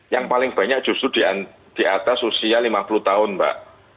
yang paling banyak justru di atas usia lima puluh tahun mbak